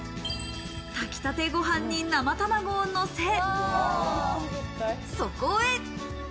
炊きたてご飯に生卵をのせ、そこへ。